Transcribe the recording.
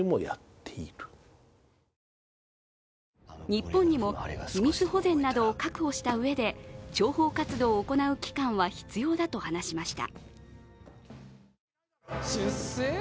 日本にも秘密保全などを確保したうえで諜報活動を行う機関は必要だと話しました。